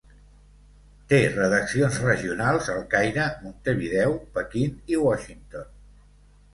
Té redaccions regionals al Caire, Montevideo, Pequín i Washington.